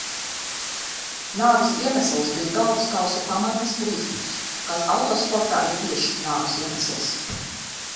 Nāves iemesls bija galvaskausa pamatnes plīsums, kas autosportā ir biežs nāves iemesls.